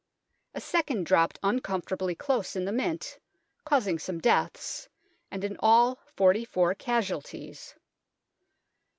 A second dropped uncomfortably close in the Mint, causing some deaths, and in all forty four casualties.